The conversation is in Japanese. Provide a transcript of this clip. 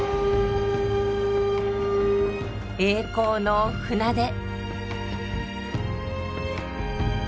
栄光の船出。